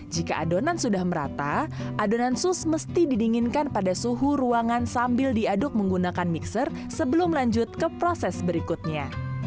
jika adonan sudah merata adonan sus mesti didinginkan pada suhu ruangan sambil diaduk menggunakan mixer sebelum lanjut ke proses berikutnya